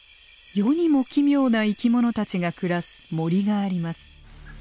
世にも奇妙な生き物たちが暮らす森があります。